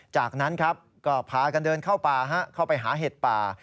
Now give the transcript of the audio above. จากนั้นครับก็พากันเดินเข้าป่าเข้าไปหาเห็ดป่า